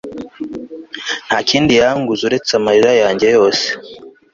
nta kindi yanguze uretse amarira yanjye yose